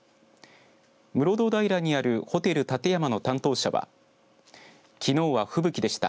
室堂平にあるホテル立山の担当者はきのうは吹雪でした。